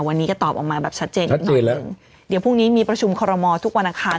วันนี้ก็ตอบออกมาแบบชัดเจนแล้วเดี๋ยวพรุ่งนี้มีประชุมคอรมอลทุกวันอังคาร